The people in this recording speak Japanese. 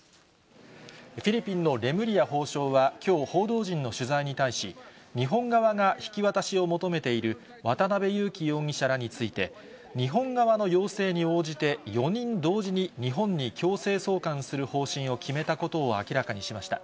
フィリピンのレムリヤ法相はきょう、報道陣の取材に対し、日本側が引き渡しを求めている渡辺優樹容疑者らについて、日本側の要請に応じて、４人同時に日本に強制送還する方針を決めたことを明らかにしました。